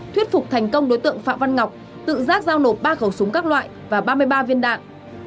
thuyết phục thành công đối tượng phạm văn ngọc tự giác giao nộp ba khẩu súng các loại và ba mươi ba viên đạn